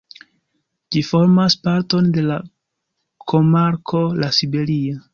Ĝi formas parton de la komarko La Siberia.